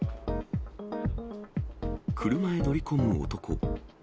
車へ乗り込む男。